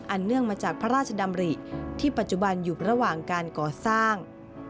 เนื่องมาจากพระราชดำริที่ปัจจุบันอยู่ระหว่างการก่อสร้าง